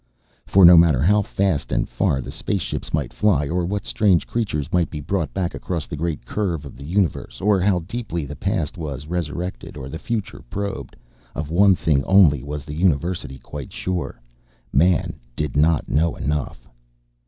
For no matter how fast and far the spaceships might fly, or what strange creatures might be brought back across the great curve of the universe or how deeply the past was resurrected or the future probed, of one thing only was the University quite sure man did not know enough.